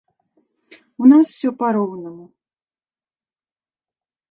У нас усё па-роўнаму.